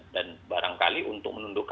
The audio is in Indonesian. dan barangkali untuk menundukannya